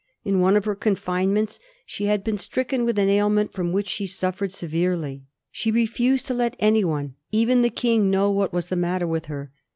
In one of her confinements she had been stricken with an ailment from which she suffered severely. She refused to let any one, even the King, know what was the matter with her.